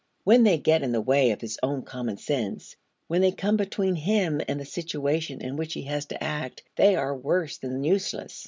When they get in the way of his own common sense, when they come between him and the situation in which he has to act, they are worse than useless.